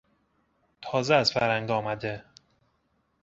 تازه از فرنگ آمده